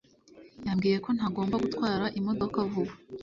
Yambwiye ko ntagomba gutwara imodoka vuba